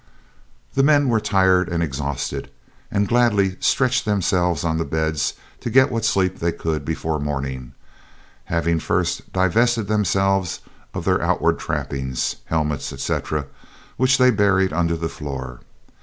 The men were tired and exhausted, and gladly stretched themselves on the beds to get what sleep they could before morning, having first divested themselves of their outward trappings, helmets, etc., which they buried under the floor.